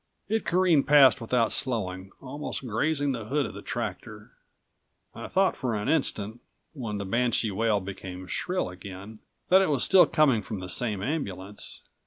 It careened past without slowing, almost grazing the hood of the tractor. I thought for an instant, when the banshee wail became shrill again, that it was still coming from the same ambulance.